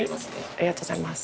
ありがとうございます。